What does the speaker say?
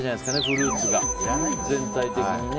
フルーツが全体的にね。